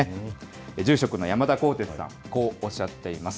住職の山田光哲さん、こうおっしゃっています。